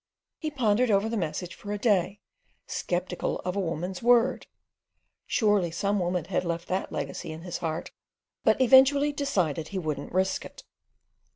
He pondered over the message for a day, sceptical of a woman's word—surely some woman had left that legacy in his heart—but eventually decided he wouldn't risk it.